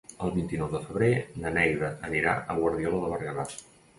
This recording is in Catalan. El vint-i-nou de febrer na Neida anirà a Guardiola de Berguedà.